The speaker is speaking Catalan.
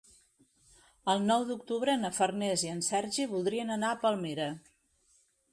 El nou d'octubre na Farners i en Sergi voldrien anar a Palmera.